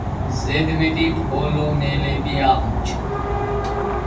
ზედმეტი პოლონელები აღმოჩდნენ.